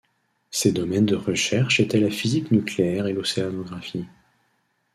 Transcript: Ses domaines de recherche étaient la physique nucléaire et l'océanographie.